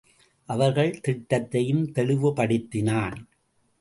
அவர்கள் திட்டத்தையும் தெளிவுபடுத்தினான்.